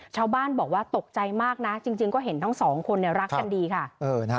ชาวบ้านบอกว่าตกใจมากนะจริงก็เห็นทั้งสองคนรักกันดีค่ะ